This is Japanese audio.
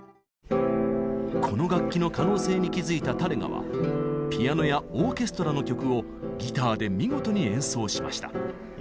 この楽器の可能性に気づいたタレガはピアノやオーケストラの曲をギターで見事に演奏しました。